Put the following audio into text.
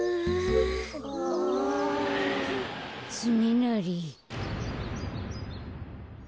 つねなり。